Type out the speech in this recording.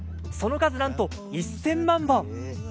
その数、なんと１０００万本。